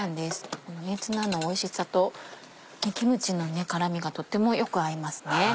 ツナのおいしさとキムチの辛みがとってもよく合いますね。